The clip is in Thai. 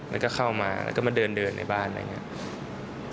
แล้วก็เข้ามาแล้วก็มาเดินในบ้านอะไรอย่างนี้